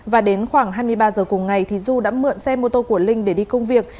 và đến khoảng hai mươi ba giờ cùng ngày thì du đã mượn xe mô tô của linh để đi công việc